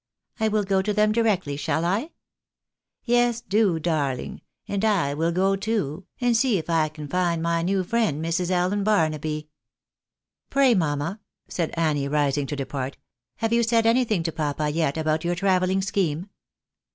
I will go to them directly ; shall I ?"" Yes, do, darling, and I will go too, and see if I can find my new friend, Mrs. Allen Barnaby." " Pray, mamma," said Annie, rising to depart, " have you said anything to papa yet about your travelling scheme